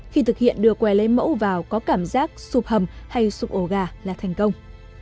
khi thực hiện đưa quầy lấy mẫu vào có cảm giác sụp hầm hay sụp ổ gà là thành công